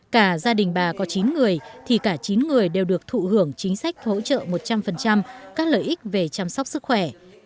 cả gia đình bà có chín người thì cả chín người đều được thụ hưởng chính sách hỗ trợ một trăm linh các lợi ích về chăm sóc sức khỏe